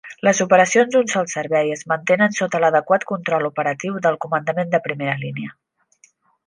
Les operacions d'un sol servei es mantenen sota l'adequat control operatiu del comandament de primera línia.